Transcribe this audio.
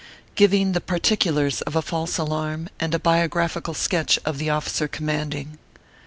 GIVING THE PARTICULARS OF A FALSE ALARM, AND A BIOGRAPHICAL SKETCH OP THE OFFICER COMMANDING.